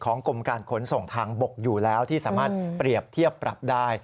กรมการขนส่งทางบกอยู่แล้วที่สามารถเปรียบเทียบปรับได้